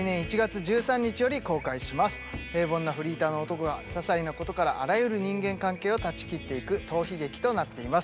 平凡なフリーターの男がささいなことからあらゆる人間関係を断ち切って行く逃避劇となっています。